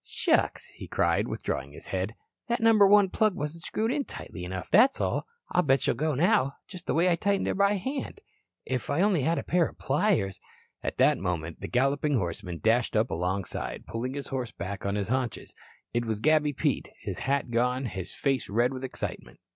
"Shucks," he cried, withdrawing his head, "that Number One plug wasn't screwed in tightly enough, that's all. I'll bet she'll go now, just the way I tightened her by hand. And if I only had a pair of pliers " At that moment, the galloping horseman dashed up alongside, pulling his horse back on his haunches. It was Gabby Pete, his hat gone, his face red with excitement.